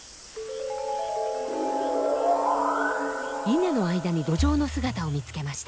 稲の間にドジョウの姿を見つけました。